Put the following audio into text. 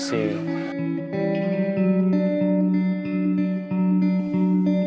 sering meledak ledak amarah emosi